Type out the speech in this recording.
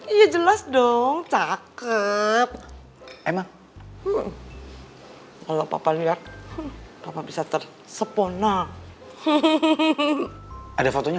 iya jelas dong cakep emang kalau papa lihat bisa tersepona hehehe ada fotonya